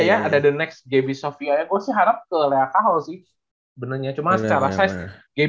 ya ada the next gaby sofia ya gua sih harap ke rhea kahl sih benernya cuma secara size gaby kan